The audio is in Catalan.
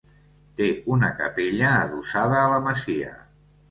Té una capella adossada a la masia.